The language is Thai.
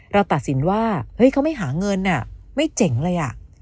เราตัดสินว่าเฮ้ยเขาไม่หาเงินไม่เจ๋งเลยอ่ะ